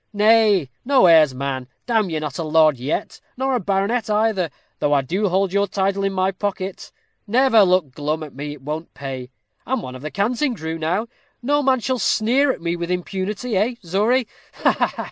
Nay, no airs, man; damme you're not a lord yet, nor a baronet either, though I do hold your title in my pocket; never look glum at me. It won't pay. I'm one of the Canting Crew now; no man shall sneer at me with impunity, eh, Zory? Ha, ha!